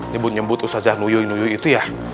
nyebut nyebut ustazah nuyuy nuyuy itu ya